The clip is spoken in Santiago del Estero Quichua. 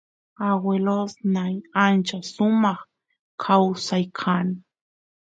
aguelosnyan ancha sumaq kawsay kan